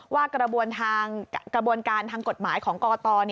ว่ากระบวนการทางกฎหมายของกรกต